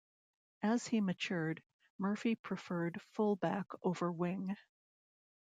As he matured, Murphy preferred full back over wing.